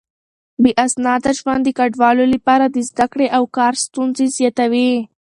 بې اسناده ژوند د کډوالو لپاره د زده کړو او کار ستونزې زياتوي.